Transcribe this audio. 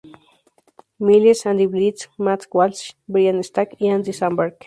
Miles, Andy Blitz, Matt Walsh, Brian Stack, y Andy Samberg.